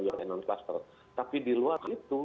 ruang non klaster tapi di luar itu